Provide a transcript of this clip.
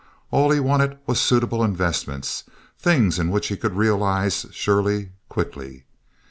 All he wanted was suitable investments—things in which he could realize surely, quickly.